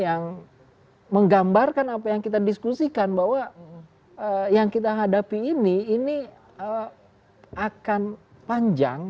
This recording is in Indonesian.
yang menggambarkan apa yang kita diskusikan bahwa yang kita hadapi ini ini akan panjang